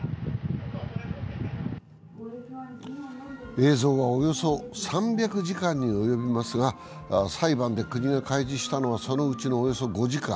映像は、およそ３００時間に及びますが、裁判で国が開示したのは、そのうちのおよそ５時間。